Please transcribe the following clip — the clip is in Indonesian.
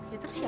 ya terus siapa